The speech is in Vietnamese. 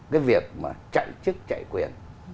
cái việc mà chạy chức chạy quyền